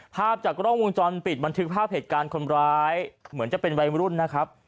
ภาพจากกล้องวงจรปิดบันทึกภาพเหตุการณ์คนร้ายเหมือนจะเป็นวัยรุ่นนะครับ